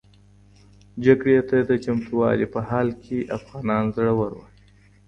جګړې ته د چمتووالي په حال کې افغانان زړور و.